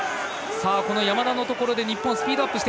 山田のところで日本スピードアップ。